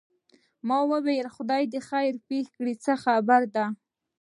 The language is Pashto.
ما وویل خدای دې خیر پېښ کړي څه خبره ده.